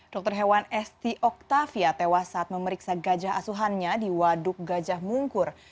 dokter hewan esti oktavia tewas saat memeriksa gajah asuhannya di waduk gajah mungkur